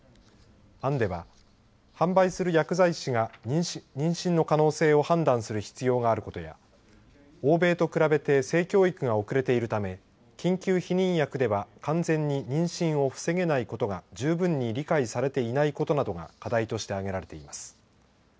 案では、販売する薬剤師が妊娠の可能性を判断する必要があることや欧米と比べて性教育が遅れているため、緊急避妊薬では完全に妊娠を防げないことが十分に理解されていないことなどが課題として挙げられています。